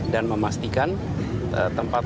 dan memastikan tempatnya